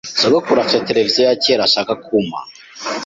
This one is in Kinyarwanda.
Sogokuru afite televiziyo ya kera ashaka kumpa.